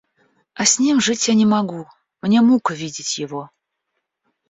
А с ним жить я не могу, мне мука видеть его.